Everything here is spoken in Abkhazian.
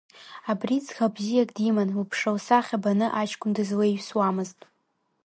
Абри ӡӷаб бзиак диман, лыԥшра-лсахьа баны аҷкәын дызлеиҩсуамызт.